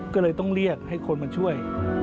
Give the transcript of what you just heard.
ก็เลยต้องเรียกให้คนมาช่วย